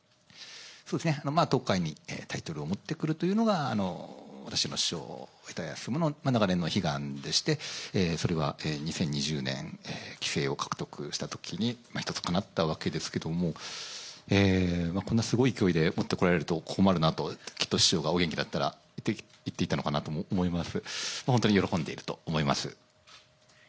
東海にタイトルを持ってくるというのが、師匠、いたやすすむの長年の悲願でして、それは２０２０年棋聖を獲得したときに、一つかなったわけですけども、こんなすごい勢いで持ってこられると困るなと、きっと師匠がお元気だったらいっていたのかなとも思います。